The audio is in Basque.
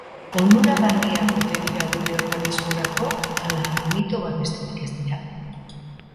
Onuragarriak ote dira gure organismorako ala mito bat besterik ez dira?